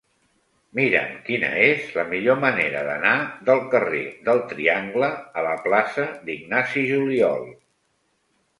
Mira'm quina és la millor manera d'anar del carrer del Triangle a la plaça d'Ignasi Juliol.